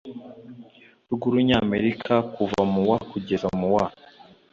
rw urunyamerika kuva mu wa kugeza mu wa